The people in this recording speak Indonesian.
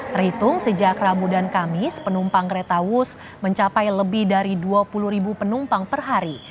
terhitung sejak rabu dan kamis penumpang kereta wus mencapai lebih dari dua puluh ribu penumpang per hari